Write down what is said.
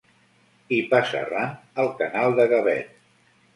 Hi passa ran el Canal de Gavet.